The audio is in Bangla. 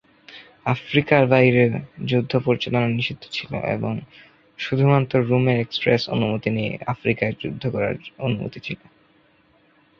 আফ্রিকার বাইরে যুদ্ধ পরিচালনা নিষিদ্ধ ছিল এবং শুধুমাত্র রোমের এক্সপ্রেস অনুমতি নিয়ে আফ্রিকায় যুদ্ধ করার অনুমতি ছিল।